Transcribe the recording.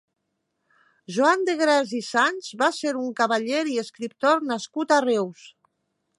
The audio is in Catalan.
Joan de Gras i Sans va ser un cavaller i escriptor nascut a Reus.